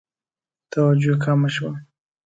توجه کمه شوه.